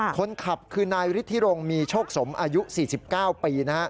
คนขับคือนายฤทธิรงมีโชคสมอายุ๔๙ปี